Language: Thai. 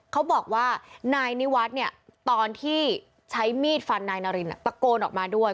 เขาบอกว่านายนิวัฒน์เนี่ยตอนที่ใช้มีดฟันนายนารินตะโกนออกมาด้วย